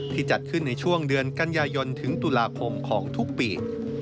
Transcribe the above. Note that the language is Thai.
จัดขึ้นในช่วงเดือนกันยายนถึงตุลาคมของทุกปี